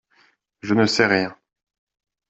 Je ne sais rien.